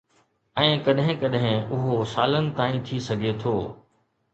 ۽ ڪڏهن ڪڏهن اهو سالن تائين ٿي سگهي ٿو.